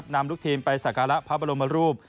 นำลูกทีมไปสักการะพระบรมรูป